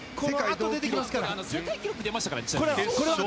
世界記録出ましたから。